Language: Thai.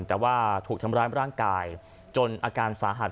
แต่ว่าถูกทำร้ายร่างกายจนอาการสาหัส